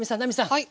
はい。